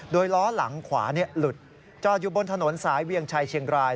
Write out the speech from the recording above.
โดยล้อหลังขวาหลุดจอดอยู่บนถนนสายเวียงชัยเชียงราย